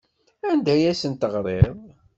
Anda ay asen-teɣriḍ?